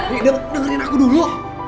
nih dengerin aku dulu